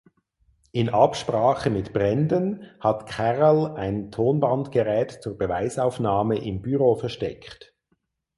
In Absprache mit Brendon hat Carol ein Tonbandgerät zur Beweisaufnahme im Büro versteckt.